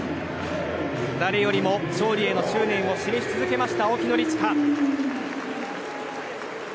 誰よりも勝利への執念を示し続けました青木宣親。